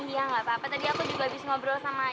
iya gak apa apa tadi aku juga habis ngobrol sama ini kok raka